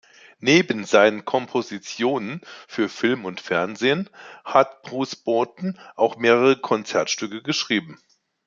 Neben seinen Kompositionen für Film und Fernsehen hat Bruce Broughton auch mehrere Konzertstücke geschrieben.